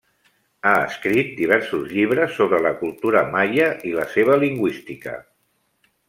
Ha escrit diversos llibres sobre la cultura maia i la seva lingüística.